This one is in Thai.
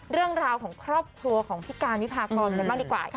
เรื่องราวของครอบครัวของพี่การวิพากรกันบ้างดีกว่า